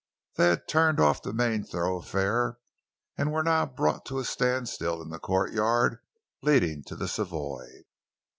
They had turned off the main thoroughfare and were now brought to a standstill in the courtyard leading to the Savoy.